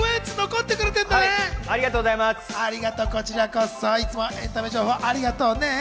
こちらこそ、いつもエンタメ情報、ありがとね！